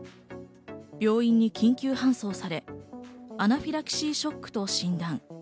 病院に緊急搬送され、アナフィラキシーショックと診断。